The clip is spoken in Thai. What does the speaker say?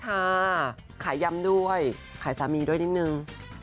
ทางรุกของลูกภาชาขายำด้วยขายสามีด้วยนิดหนึ่ง